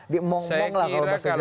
di emong emong lah kalau bahasa jawa nya